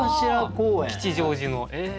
吉祥寺の。